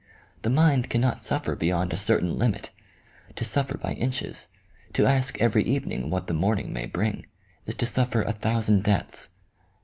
The mind cannot suffer beyond a certain limit. To suffer by inches, to ask every evening what the morning may bring, is to surfer a thousand deaths.